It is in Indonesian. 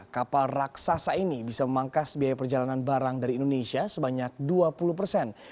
kapal raksasa ini bisa memangkas biaya perjalanan barang dari indonesia sebanyak dua puluh persen